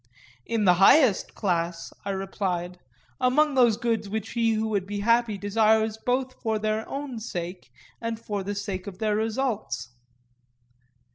In the highest class, I replied,—among those goods which he who would be happy desires both for their own sake and for the sake of their results.